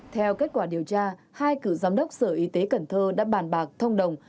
theo kết quả điều tra hai cựu giám đốc sở y tế cần thơ đã bàn bạc thông đồng